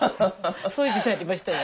そういう時代ありましたよ。